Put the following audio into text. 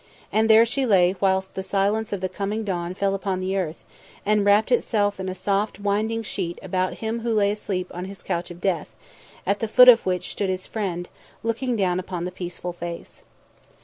And there she lay whilst the silence of the coming dawn fell upon the earth, and wrapped itself in a soft winding sheet about him who lay asleep upon his couch of death, at the foot of which stood his friend, looking down upon the peaceful face.